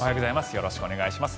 よろしくお願いします。